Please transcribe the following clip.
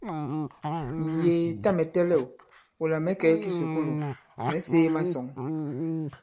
Ǹyēē, tâ mɛ̀ tɛlɛ̂w, wula mɛ̌ kɛ̀ i kisùkulù, mɛ̌ sēē masɔ̌ŋ.